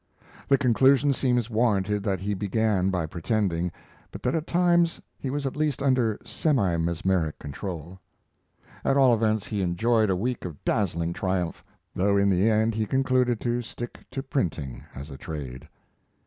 The conclusion seems warranted that he began by pretending, but that at times he was at least under semi mesmeric control. At all events, he enjoyed a week of dazzling triumph, though in the end he concluded to stick to printing as a trade.